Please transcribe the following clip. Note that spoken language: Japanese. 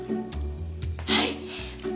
はい！